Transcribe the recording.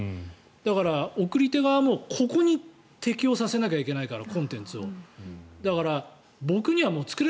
だから送り手側もここに適応させなきゃいけないから。